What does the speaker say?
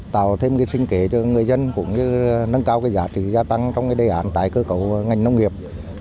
tạo thêm sinh kế cho người dân cũng như nâng cao giá trị gia tăng trong đề án tái cơ cấu ngành nông nghiệp